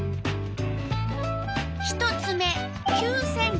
１つ目９ｃｍ。